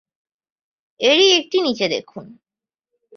এরই একটি নিচে দেখুন-